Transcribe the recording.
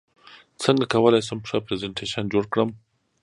څنګه کولی شم ښه پرزنټیشن جوړ کړم